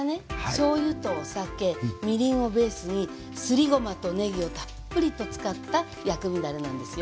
しょうゆとお酒みりんをベースにすりごまとねぎをたっぷりと使った薬味だれなんですよ。